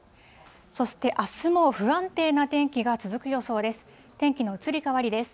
そしてあすも不安定な天気が続く予想です。